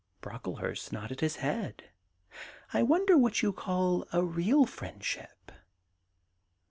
Brocklehurst nodded his head. ' I wonder what you call a real friendship